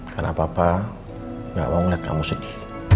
tapi papa gak mau ngeliat kamu segi